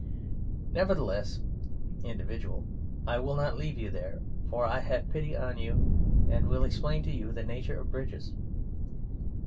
Nevertheless (Individual) I will not leave you there, for I have pity on you, and I will explain to you the nature of bridges.